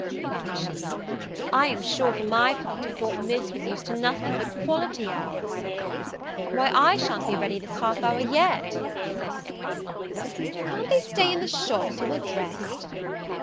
cried she: "I am sure for my part I thought Miss was used to nothing but quality hours." "Why, I sha'n't be ready this half hour yet," said Miss Polly; "can't they stay in the shop till we're dressed?"